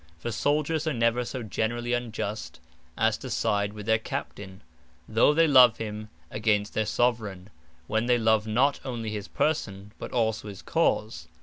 For Souldiers are never so generally unjust, as to side with their Captain; though they love him, against their Soveraign, when they love not onely his Person, but also his Cause.